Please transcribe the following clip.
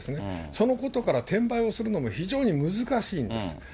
そのことから、転売をするのも非常に難しいんです。